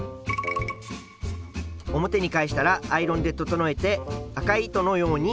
表に返したらアイロンで整えて赤い糸のようにステッチをかけます。